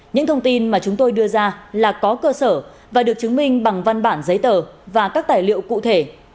những thông tin mà chúng tôi đưa ra là có cơ sở và được chứng minh bằng văn bản giấy tờ và các tài liệu cụ thể